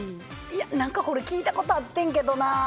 何かこれ聞いたことあってんけどな。